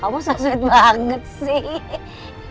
mama susit banget sih